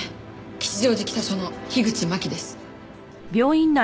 吉祥寺北署の樋口真紀です。